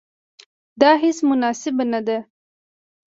دا هیڅ مناسبه نه ده.